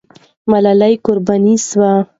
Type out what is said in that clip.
ملالۍ قرباني سوه.